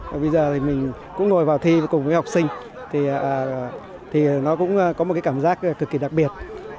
và bây giờ thì mình cũng ngồi vào thi cùng với học sinh thì nó cũng có một cái cảm giác cực kỳ đặc biệt